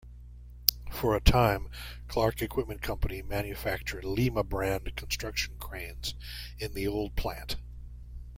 For a time, Clark Equipment Company manufactured Lima-brand construction cranes in the old plant.